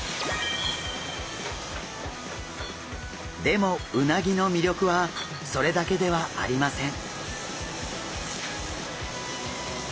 でもうなぎの魅力はそれだけではありません。